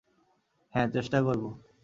হ্যাঁ, চেষ্টা করব।